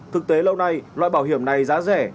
thực tế lâu nay loại bảo hiểm này giá rẻ